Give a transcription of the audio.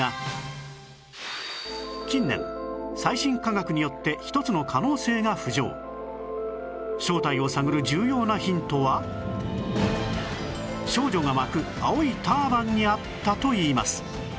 近年最新科学によって１つの可能性が浮上正体を探る重要なヒントは少女が巻く青いターバンにあったといいます